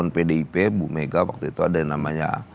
pdip bu mega waktu itu ada yang namanya